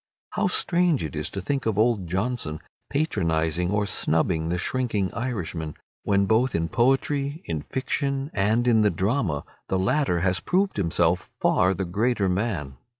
How strange it is to think of old Johnson patronizing or snubbing the shrinking Irishman, when both in poetry, in fiction, and in the drama the latter has proved himself far the greater man.